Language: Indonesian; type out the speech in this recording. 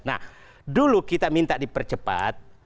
nah dulu kita minta dipercepat